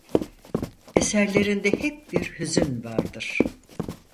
Eserlerinde hep bir hüzün vardır.